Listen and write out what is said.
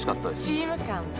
チーム感ね。